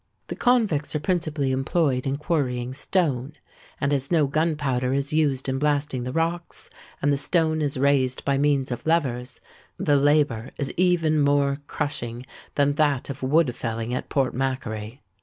The convicts are principally employed in quarrying stone; and as no gunpowder is used in blasting the rocks, and the stone is raised by means of levers, the labour is even more crushing than that of wood felling at Port Macquarie.